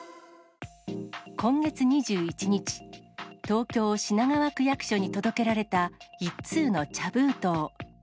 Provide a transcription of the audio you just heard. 今月２１日、東京・品川区役所に届けられた１通の茶封筒。